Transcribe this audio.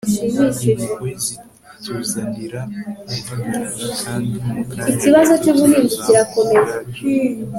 impuhwe zituzanira guhagarara, kandi mu kanya gato turazamuka ubwacu